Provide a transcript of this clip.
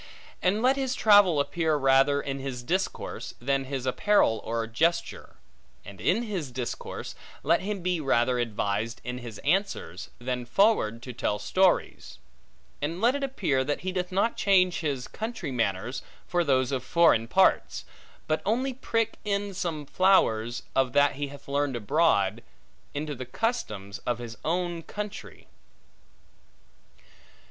And let his travel appear rather in his discourse, than his apparel or gesture; and in his discourse, let him be rather advised in his answers, than forward to tell stories; and let it appear that he doth not change his country manners, for those of foreign parts; but only prick in some flowers, of that he hath learned abroad, into the customs of his own country.